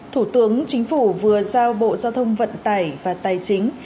thủ tướng chính phủ vừa giao bộ giao thông vận tải và tài chính